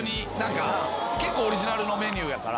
結構オリジナルのメニューやから。